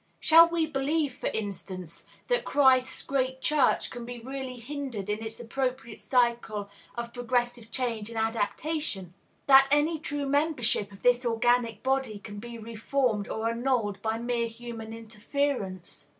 Shall we believe, for instance, that Christ's great church can be really hindered in its appropriate cycle of progressive change and adaptation? That any true membership of this organic body can be formed or annulled by mere human interference?